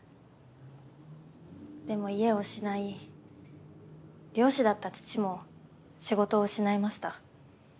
でも家を失い漁師だった父も仕事を失いました。